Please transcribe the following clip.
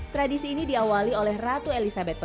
tradisi ini diawali oleh ratu elizabeth ii